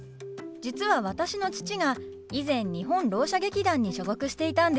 実は私の父が以前日本ろう者劇団に所属していたんです。